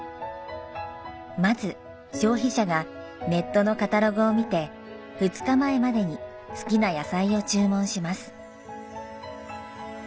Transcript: まず消費者がネットのカタログを見て２日前までに好きな野菜を注文します。